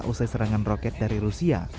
usai serangan roket dari rusia